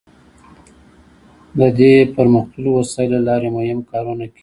د دې پرمختللو وسایلو له لارې مهم کارونه کیږي.